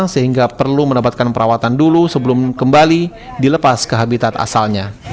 sehingga perlu mendapatkan perawatan dulu sebelum kembali dilepas ke habitat asalnya